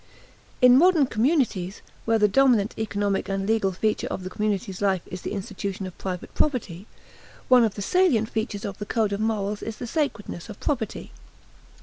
In modern communities, where the dominant economic and legal feature of the community's life is the institution of private property, one of the salient features of the code of morals is the sacredness of property.